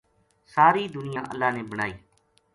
ساری دنیا اللہ نے بنائی